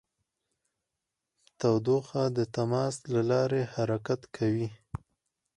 تودوخه د تماس له لارې حرکت کوي.